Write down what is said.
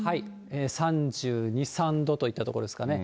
３２、３度といったところですかね。